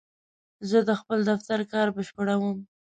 زه د خپل دفتر کار بشپړوم.